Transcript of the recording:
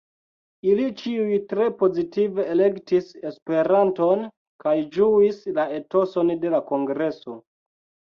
Ili ĉiuj tre pozitive elektis Esperanton kaj ĝuis la etoson de la kongreso.